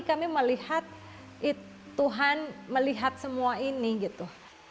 kami melihat tuhan melihat semua ini gitu